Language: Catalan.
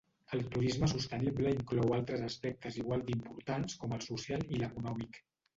El turisme sostenible inclou altres aspectes igual d'importants com el social o l'econòmic.